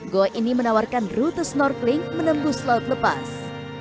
goa ini menawarkan rute snorkeling menembus laut lepas